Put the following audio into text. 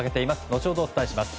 後ほどお伝えします。